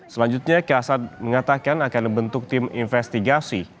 selanjutnya kasat mengatakan akan membentuk tim investigasi